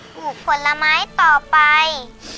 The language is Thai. ลูกผลไม้ต่อไป